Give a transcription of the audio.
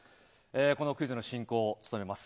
このクイズの進行を務めます